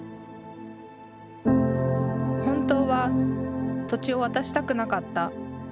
「本当は土地を渡したくなかった」。